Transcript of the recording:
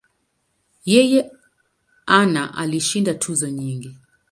Yeye ana alishinda tuzo nyingi.